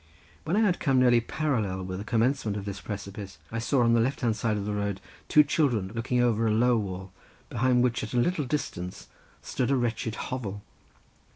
When I had come nearly parallel with the commencement of this precipice, I saw on the left hand side of the road two children looking over a low wall behind which at a little distance stood a wretched hovel.